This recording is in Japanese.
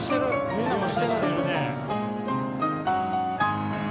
みんなもしてる。